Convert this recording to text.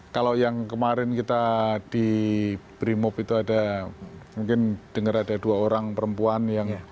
kalau yang kemarin kita di brimob itu ada mungkin dengar ada dua orang perempuan yang